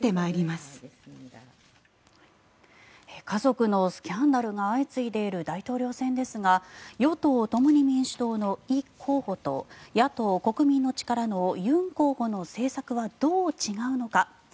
家族のスキャンダルが相次いでいる大統領選ですが与党・共に民主党のイ候補と野党・国民の力のユン候補の政策はどう違うのか。